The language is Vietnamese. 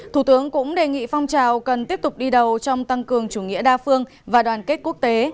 thủ tướng cũng đề nghị phong trào cần tiếp tục đi đầu trong tăng cường chủ nghĩa đa phương và đoàn kết quốc tế